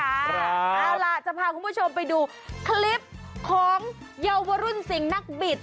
เอาล่ะจะพาคุณผู้ชมไปดูคลิปของเยาวรุ่นสิงห์นักบิด